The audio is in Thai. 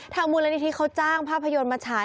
มูลนิธิเขาจ้างภาพยนตร์มาฉาย